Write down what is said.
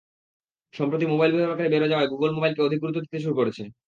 সম্প্রতি মোবাইল ব্যবহারকারী বেড়ে যাওয়ায় গুগল মোবাইলকে অধিক গুরুত্ব দিতে শুরু করেছে।